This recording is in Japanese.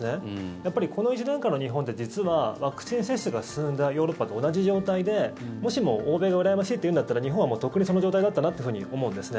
やっぱり、この１年間の日本って実は、ワクチン接種が進んだヨーロッパと同じ状態でもしも欧米がうらやましいというんだったら日本はとっくにその状態だったなと思うんです。